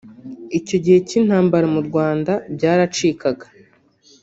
Icyo gihe cy’intambara mu Rwanda byaracikaga